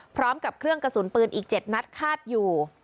พร้อมกับเครื่องกระสุนปืนอีก๗นัดคาดอยู่